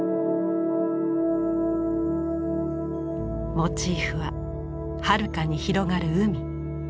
モチーフははるかに広がる海。